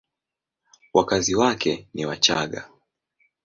Wakazi wake ni Wachagga.